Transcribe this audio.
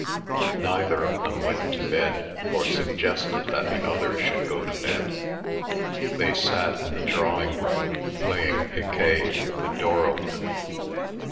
Neither of them went to bed or suggested that the other should go to bed. They sat in the drawing room playing picquet with the door open.